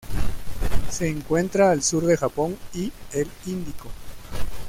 Se encuentra al sur del Japón y el Índico.